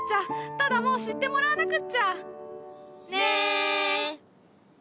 ただもう知ってもらわなくっちゃ。ね！